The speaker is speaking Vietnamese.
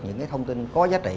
những thông tin có giá trị